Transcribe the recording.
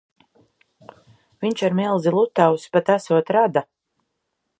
Viņš ar milzi Lutausi pat esot rada.